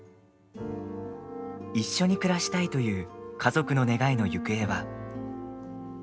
一緒に暮らしたいという家族の願いの行方は。